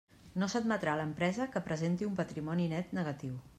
No s'admetrà l'empresa que presenti un patrimoni net negatiu.